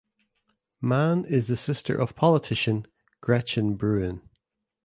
Mann is the sister of politician Gretchen Brewin.